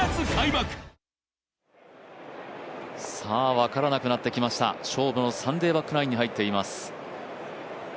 分からなくなってきました、勝負のサンデーバックナインに入ってきています。